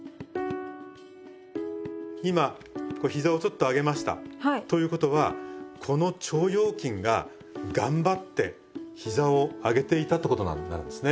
今こうひざをちょっと上げましたということはこの腸腰筋が頑張ってひざを上げていたってことなんですね。